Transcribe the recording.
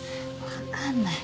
分かんない。